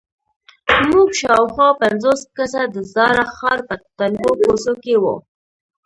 موږ شاوخوا پنځوس کسه د زاړه ښار په تنګو کوڅو کې وو.